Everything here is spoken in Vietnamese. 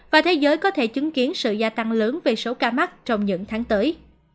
và thế giới có thể chứng kiến sự gia tăng lớn về số ca mắc trong những tháng tới